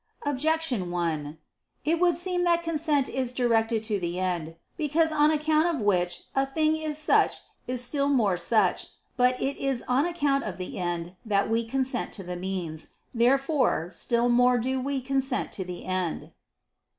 Objection 1: It would seem that consent is directed to the end. Because that on account of which a thing is such is still more such. But it is on account of the end that we consent to the means. Therefore, still more do we consent to the end.